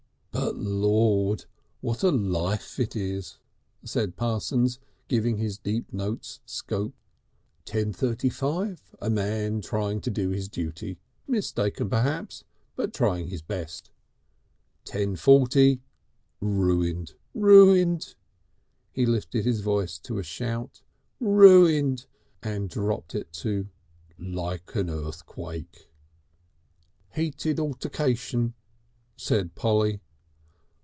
"But Lord! what a Life it is!" said Parsons, giving his deep notes scope. "Ten thirty five a man trying to do his Duty, mistaken perhaps, but trying his best; ten forty Ruined! Ruined!" He lifted his voice to a shout. "Ruined!" and dropped it to "Like an earthquake." "Heated altaclation," said Polly.